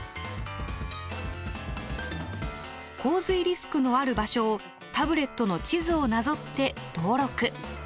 洪水リスクのある場所をタブレットの地図をなぞって登録。